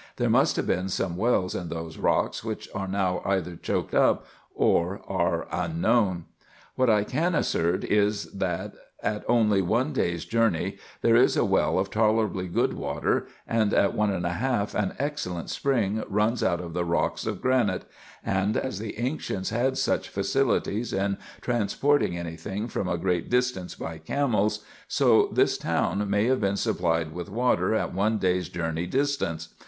There must have been some wells in those rocks, which are now either choked up or are unknown. What I can assert is, that, at only one day's jour ney, there is a well of tolerably good water ; and, at one and a half, an excellent spring runs out of the rocks of granite : and as the ancients had such facilities in transporting any thing from a great 334 RESEARCHES AND OPERATIONS distance by camels, so this town may have been supplied with water at one day's journey distance.